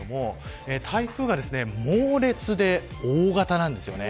台風が猛烈で大型なんです。